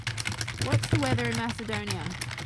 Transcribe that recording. What's the weather in Macedonia